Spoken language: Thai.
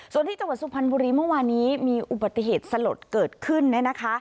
ส่วนที่จังหวัดสุพรรณบุรีเมื่อวานี้มีอุบัติเหตุสลดเกิดขึ้นเนี่ยนะคะ